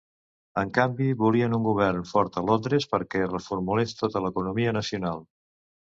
En canvi, volien un govern fort a Londres perquè reformulés tota l'economia nacional.